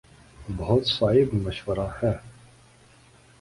بہت صائب مشورہ ہے۔